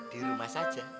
di rumah saja